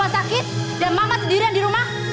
hari dua sakit dan mama sendirian di rumah